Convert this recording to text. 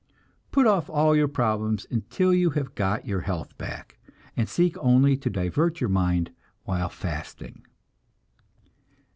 Put off all your problems until you have got your health back, and seek only to divert your mind while fasting.